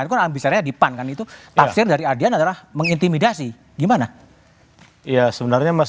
itu ambisarnya dipan kan itu taksir dari adian adalah mengintimidasi gimana iya sebenarnya mas